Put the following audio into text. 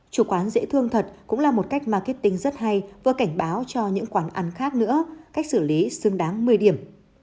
chủ quán dễ thương thật cũng là một cách marketing rất hay vừa cảnh báo cho những quán ăn khác nữa cách xử lý xứng đáng một mươi điểm